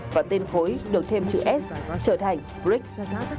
và tên khối được thêm chữ s trở thành brics